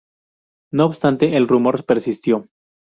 No obstante el rumor persistió.